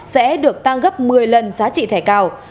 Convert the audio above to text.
sẽ được tăng gấp một mươi lần giá trị thẻ cao